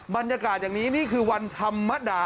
บรรยากาศบรรยายแบบนี้คือวันธรรมดา